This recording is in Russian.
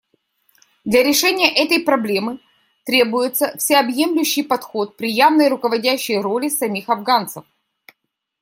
Для решения этой проблемы требуется всеобъемлющий подход при явной руководящей роли самих афганцев.